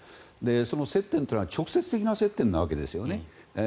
その接点というのは直接的な接点なわけですよね。